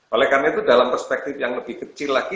oleh karena itu dalam perspektif yang lebih kecil lagi